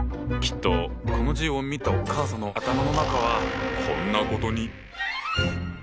きっとこの字を見たお母さんの頭の中はこんなことに。